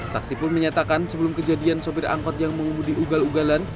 saksi pun menyatakan sebelum kejadian sopir angkot yang mengemudi ugal ugalan